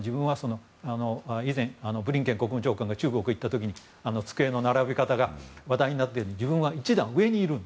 以前、ブリンケン国務長官が中国に行った時に机の並び方が話題になったように自分は１段上にいる。